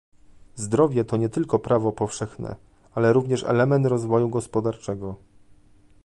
Zdrowie to nie tylko prawo powszechne, ale również element rozwoju gospodarczego